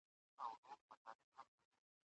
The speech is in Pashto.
ملي عاید باید په مساویانه توګه ووېشل سي.